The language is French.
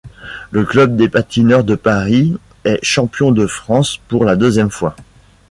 Le Club des Patineurs de Paris est champion de France pour la deuxième fois.